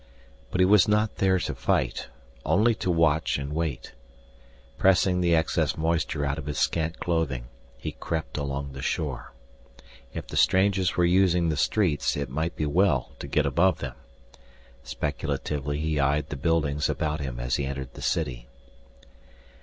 But he was not there to fight, only to watch and wait. Pressing the excess moisture out of his scant clothing, he crept along the shore. If the strangers were using the streets, it might be well to get above them. Speculatively he eyed the buildings about him as he entered the city.